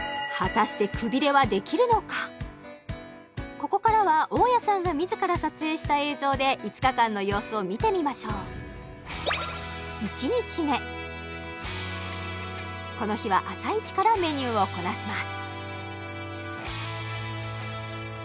ここからは大家さんが自ら撮影した映像で５日間の様子を見てみましょうこの日は朝イチからメニューをこなします